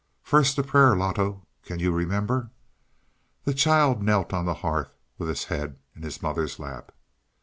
"First the prayer, Loto. Can you remember?" The child knelt on the hearth, with his head in his mother's lap.